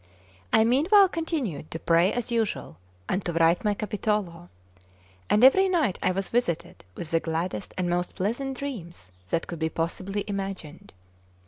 CXXI I MEANWHILE continued to pray as usual, and to write my Capitolo, and every night I was visited with the gladdest and most pleasant dreams that could be possibly imagined.